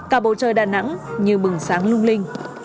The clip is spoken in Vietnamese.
cả bầu trời đà nẵng như bừng sáng lung linh